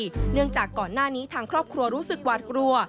แต่ก่อนหน้านี้ทางครอบครัวรู้สึกหวาดกลัว